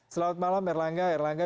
selamat malam erlangga